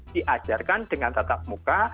diajarkan dengan tatap muka